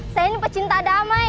saya ini pecinta damai